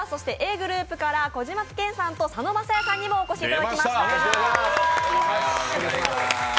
Ｇｒｏｕｐから小島健さんと佐野晶哉さんにもお越しいただきました。